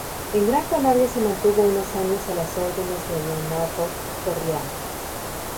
En Gran Canaria se mantuvo unos años a las órdenes de Leonardo Torriani.